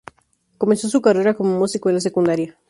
Comenzó su carrera como músico en la secundaria.